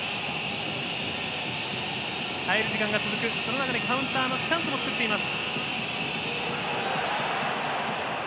耐える時間が続く、その中でカウンターのチャンスも作っています。